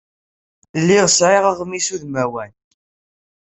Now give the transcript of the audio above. Lliɣ sɛiɣ aɣmis udmawan.